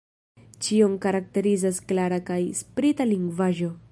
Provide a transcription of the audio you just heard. Ĉion karakterizas klara kaj sprita lingvaĵo.